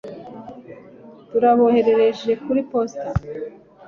Turaboherereje kuri posita